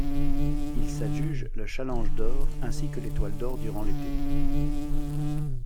Il s'adjuge le Challenge d'or ainsi que l'Étoile d'or durant l'été.